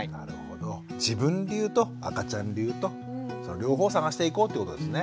自分流と赤ちゃん流と両方探していこうってことですね。